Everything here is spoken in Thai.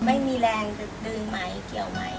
ไม่มีแรงจะดึงไหมเกี่ยวไหม